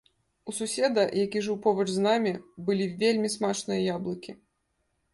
У суседа, які жыў побач з намі, былі вельмі смачныя яблыкі.